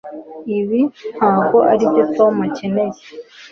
Ibi ntabwo aribyo Tom akeneye